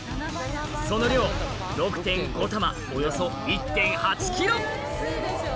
その量およそ１．８ｋｇ！